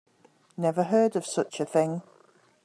Never heard of such a thing.